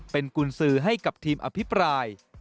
เป็นกุญสือให้กับทีมอภิปราย